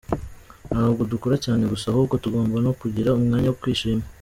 Ntabwo dukora cyane gusa ahubwo tugomba no kugira umwanya wo kwishima.